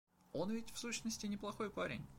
Он ведь, в сущности, неплохой парень.